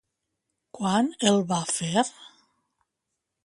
Quan el va fer?